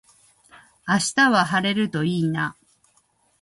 明日は晴れるといいな